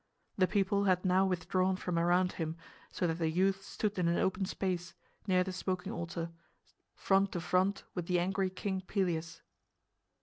The people had now withdrawn from around him, so that the youth stood in an open space, near the smoking altar, front to front with the angry King Pelias.